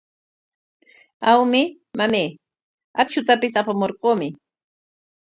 Awmi, mamay, akshutapis apamurquumi.